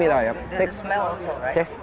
ada rasa juga bukan